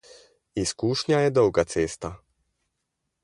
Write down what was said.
Izkušnja je dolga cesta.